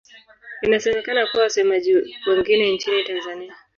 Inasemekana kuna wasemaji wengine nchini Tanzania.